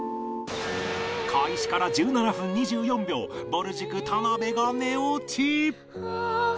開始から１７分２４秒ぼる塾田辺が寝落ち